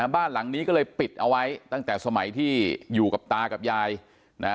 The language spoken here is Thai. บ้านหลังนี้ก็เลยปิดเอาไว้ตั้งแต่สมัยที่อยู่กับตากับยายนะฮะ